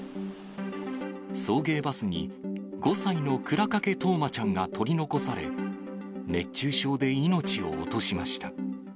送迎バスに５歳の倉掛冬生ちゃんが取り残され、熱中症で命を落としました。